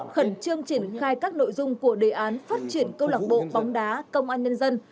khẩn trương triển khai các nội dung của đề án phát triển câu lạc bộ bóng đá công an nhân dân